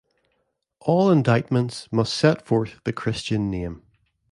All indictments must set forth the Christian name.